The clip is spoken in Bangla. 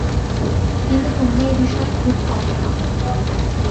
কিন্তু তোমরা এই-বিষয়ে খুব কমই ভাব।